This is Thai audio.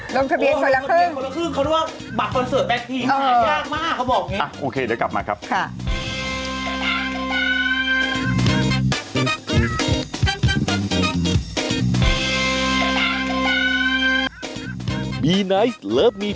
ลงทะเบียนคนละครึ่งเขาเรียกบัตรฟันเสิร์ชแปลกทีมงานยากมากเขาบอกอย่างนี้